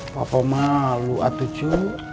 papa malu atuh cu